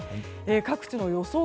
各地の予想